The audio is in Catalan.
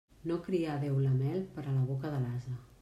No crià Déu la mel per a la boca de l'ase.